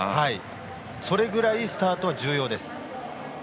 それぐらいスタートは重要です。